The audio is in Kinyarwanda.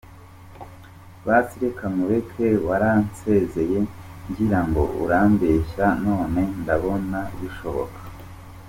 Basi reka nkureke waransezeye ngira ngo urambeshya, none ndabona bishoboka.